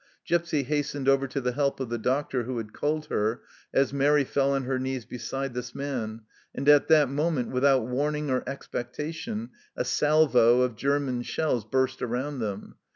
Gipsy hastened over to the help of the doctor who had called her, as Mairi fell on her knees beside this man, and at that moment, without warning or expectation, a salvo of German shells burst around them.